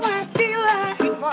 rancuni akhlat kita